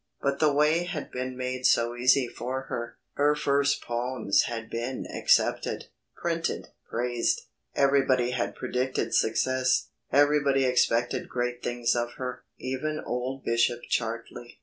But the way had been made so easy for her. Her very first poems had been accepted, printed, praised. Everybody had predicted success, everybody expected great things of her, even old Bishop Chartley.